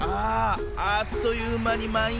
ああっという間に満員や！